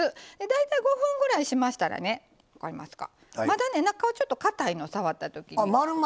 大体５分ぐらいしましたらまだ、中は、ちょっとかたいの。